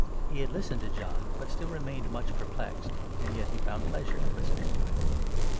He had listened to John, but still 16 MARK, 6. remained much perplexed, and yet he found pleasure in listen ing to him.